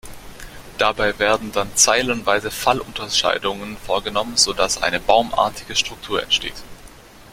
Dabei werden dann zeilenweise Fallunterscheidungen vorgenommen, so dass eine baumartige Struktur entsteht.